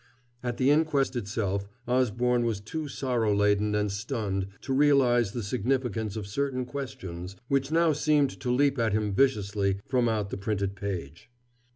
At the inquest itself, Osborne was too sorrow laden and stunned to realize the significance of certain questions which now seemed to leap at him viciously from out the printed page.